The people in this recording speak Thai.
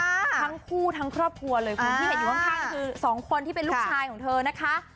ทั้งคู่ทั้งครอบครัวเลยคุณที่เห็นอยู่ข้างนี่คือสองคนที่เป็นลูกชายของเธอนะคะ